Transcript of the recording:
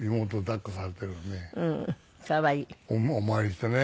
お参りしてね。